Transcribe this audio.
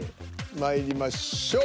まいりましょう。